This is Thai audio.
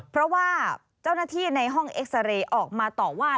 เพราะว่าเจ้าหน้าที่ในห้องเอ็กซาเรย์ออกมาต่อว่า